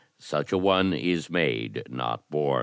Such a one is made, not bom.